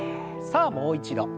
さあもう一度。